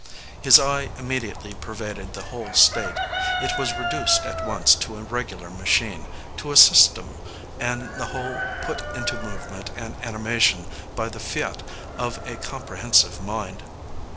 His eye immediately pervaded the whole state; it was reduced at once to a regular machine, to a system, and the whole put into movement and animation by the fiat of a comprehensive mind.